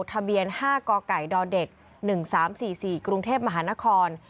ทะเบียน๕กไก่ดเด็ก๑๓๔๔กรุงเทพมหานคร